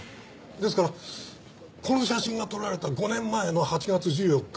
ですからこの写真が撮られた５年前の８月１４日